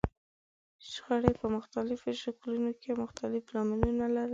شخړې په مختلفو شکلونو کې مختلف لاملونه لرلای شي.